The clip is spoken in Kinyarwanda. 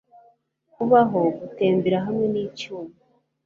kubaho, gutembera hamwe nicyuma